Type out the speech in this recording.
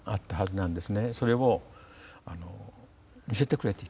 それを見せてくれと言った。